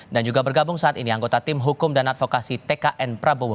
dan juga bergabung saat ini anggota tim hukum dan advokasi tkn prabowo